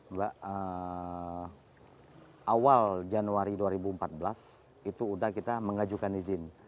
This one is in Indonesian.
mbak awal januari dua ribu empat belas itu sudah kita mengajukan izin